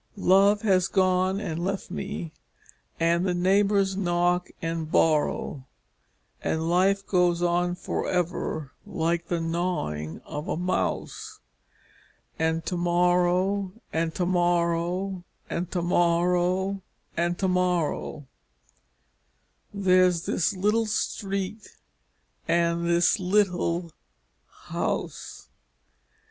Love has gone and left me, and the neighbors knock and borrow, And life goes on forever like the gnawing of a mouse, And to morrow and to morrow and to morrow and to morrow There's this little street and this little house.